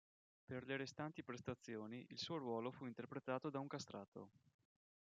Per le restanti prestazioni, il suo ruolo fu interpretato da un castrato.